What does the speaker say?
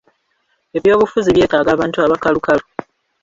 Eby’obufuzi by’etaaga abantu abakalukalu.